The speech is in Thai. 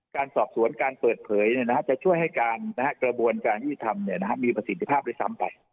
การสอบสวนการเปิดเผยเนี่ยนะฮะจะช่วยให้การกระบวนการยี่ทำเนี่ยนะฮะมีประสิทธิภาพได้ซ้ำไป